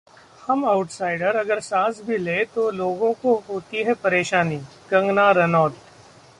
हम आउटसाइडर अगर सांस भी लें तो लोगों को होती है परेशानी: कंगना रनौत